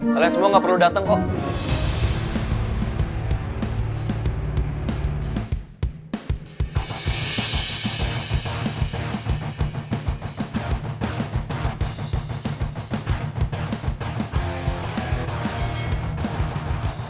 kalian semua gak perlu datang kok